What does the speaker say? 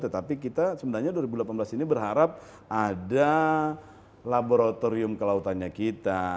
tetapi kita sebenarnya dua ribu delapan belas ini berharap ada laboratorium kelautannya kita